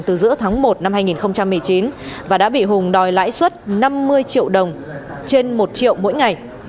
từ giữa tháng một năm hai nghìn một mươi chín và đã bị hùng đòi lãi suất năm mươi triệu đồng trên một triệu mỗi ngày